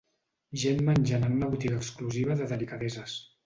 Gent menjant en una botiga exclusiva de delicadeses.